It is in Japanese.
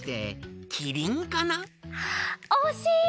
おしい！